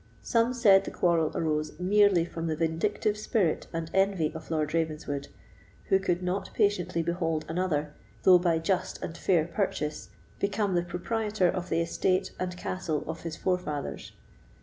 Some said the quarrel arose merely from the vindictive spirit and envy of Lord Ravenswood, who could not patiently behold another, though by just and fair purchase, become the proprietor of the estate and castle of his forefathers.